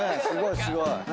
すごいすごい。